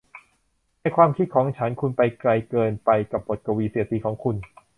ในความคิดของฉันคุณไปไกลเกินไปกับบทกวีเสียดสีของคุณ